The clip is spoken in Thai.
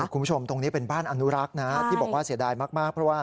คุณผู้ชมตรงนี้เป็นบ้านอนุรักษ์นะที่บอกว่าเสียดายมากเพราะว่า